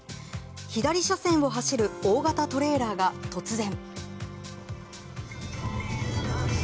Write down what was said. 左車線を走る大型トレーラーが突然。